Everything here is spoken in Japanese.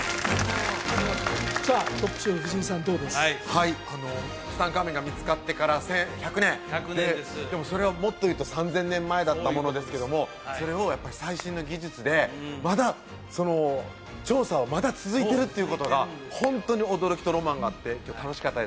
はいツタンカーメンが見つかってから１００年でもそれはもっというと３０００年前だったものですけどもそれをやっぱり最新の技術でまだ調査が続いてるっていうことがホントに驚きとロマンがあって今日楽しかったです